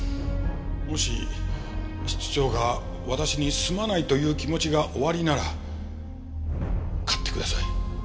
もし室長が私にすまないという気持ちがおありなら勝ってください。